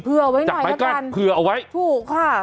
เผื่อเอาไว้หน่อยแล้วกันถูกค่ะ